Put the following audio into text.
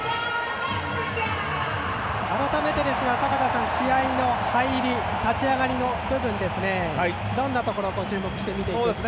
改めて坂田さん、試合の入り立ち上がりの部分、どんなところ注目して見ていきますか？